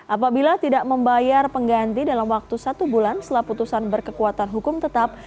apabila tidak membayar pengganti dalam waktu satu bulan setelah putusan berkekuatan hukum tetap